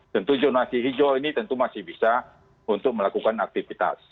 tentu jonasi hijau ini tentu masih bisa untuk melakukan aktivitas